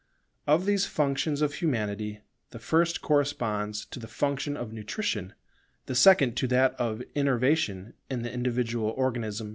Of these functions of Humanity the first corresponds to the function of nutrition, the second to that of innervation in the individual organism.